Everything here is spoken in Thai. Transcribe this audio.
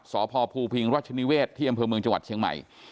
สพภูพิงรัชนิเวศที่อำเภอเมืองจังหวัดเชียงใหม่